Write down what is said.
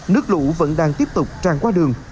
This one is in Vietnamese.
nước lũ vẫn đang tiếp tục tràn qua đường